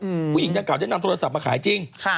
อืมผู้หญิงด้านเก่าจะนำโทรศัพท์มาขายจริงค่ะ